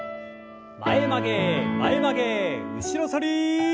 前曲げ前曲げ後ろ反り。